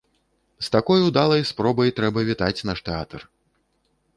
З такой удалай спробай трэба вітаць наш тэатр!